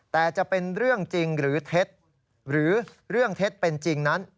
แต่จะเป็นเรื่องจริงหรือเท็จหรือเรื่องเท็จเป็นจริงนั้น